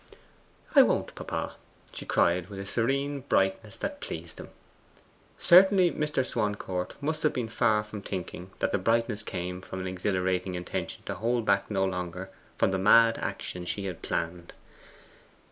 'I won't, papa,' she cried, with a serene brightness that pleased him. Certainly Mr. Swancourt must have been far from thinking that the brightness came from an exhilarating intention to hold back no longer from the mad action she had planned.